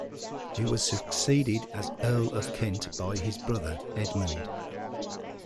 He was succeeded as Earl of Kent by his brother Edmund.